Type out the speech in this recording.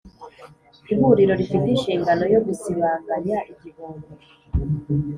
Ihuriro rifite inshingano yo gusibanganya igihombo